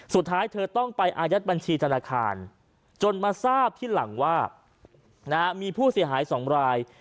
สุดท้ายเธอต้องไปอายัดบัญชีธนาคารจนมาทราบที่หลังว่ามีผู้เสียหาย๒ราย